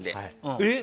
えっ？